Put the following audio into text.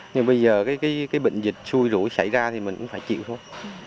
nhưng bây giờ cái bệnh dịch xui rủi xảy ra thì mình cũng phải chịu thôi